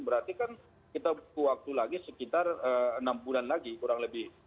berarti kan kita butuh waktu lagi sekitar enam bulan lagi kurang lebih